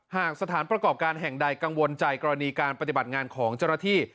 หากสถานประกอบการแห่งใดกังวลใจกรณีการปฏิบัติงานของเจ้าหน้าที่